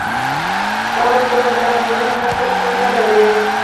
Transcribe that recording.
ما ورته وويل دا ډوډۍ تاسو کوم نه لرئ؟